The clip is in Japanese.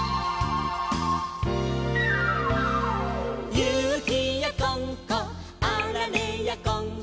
「ゆきやこんこあられやこんこ」